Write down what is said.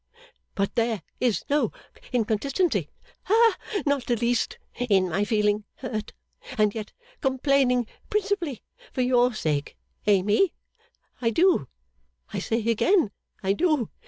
But there is no inconsistency ha not the least, in my feeling hurt, and yet complaining principally for your sake, Amy. I do; I say again, I do.